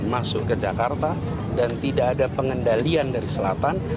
masuk ke jakarta dan tidak ada pengendalian dari selatan